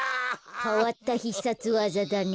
かわったひっさつわざだね。